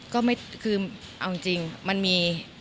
ก็คือเอาจริงมันมี